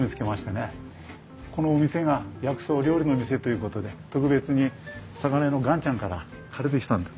このお店が薬草料理の店ということで特別に魚屋の元ちゃんから借りてきたんです。